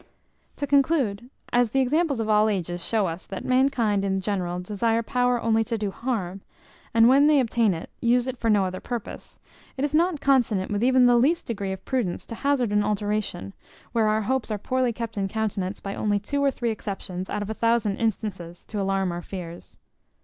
To conclude, as the examples of all ages shew us that mankind in general desire power only to do harm, and, when they obtain it, use it for no other purpose; it is not consonant with even the least degree of prudence to hazard an alteration, where our hopes are poorly kept in countenance by only two or three exceptions out of a thousand instances to alarm our fears.